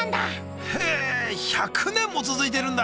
へえ１００年も続いてるんだ！